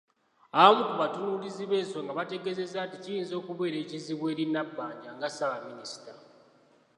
Abamu ku batunuulizi b’ensonga bategeezezza nti kiyinza okubeera ekizibu eri Nabbanja nga Ssaabaminisita.